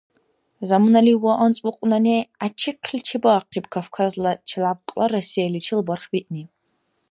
Заманали ва анцӀбукьунани гӀячихъли чебаахъиб, Кавказла челябкьла Россияличил барх биъни.